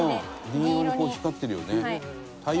銀色に光ってるよね。